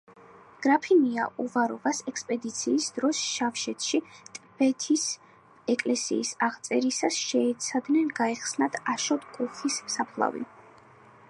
გრაფინია უვაროვას ექსპედიციის დროს შავშეთში, ტბეთის ეკლესიის აღწერისას შეეცადნენ გაეხსნათ აშოტ კუხის საფლავი.